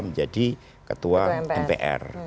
menjadi ketua mpr